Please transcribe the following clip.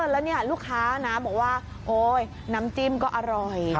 แล้วเนี่ยลูกค้านะบอกว่าโอ๊ยน้ำจิ้มก็อร่อย